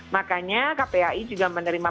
makanya kpai juga menerima